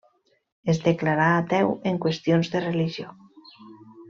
Es declarà ateu en qüestions de religió.